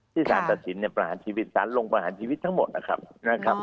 ที่สารตัดสินประหารชีวิตสารลงประหารชีวิตทั้งหมดนะคะ